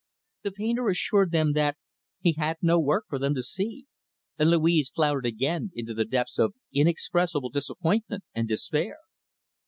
The painter assured them that he had no work for them to see; and Louise floundered again into the depths of inexpressible disappointment and despair.